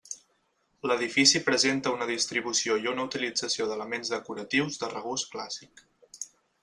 L'edifici presenta una distribució i una utilització d'elements decoratius de regust clàssic.